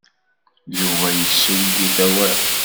Yuba yessuggut awal.